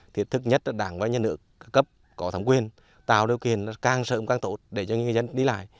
thứ nhất là đảng và nhân lượng cấp có thẩm quyền tạo điều kiện càng sợm càng tốt để cho người dân đi lại